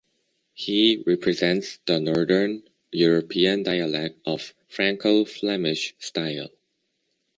He represents the northern European dialect of the Franco-Flemish style.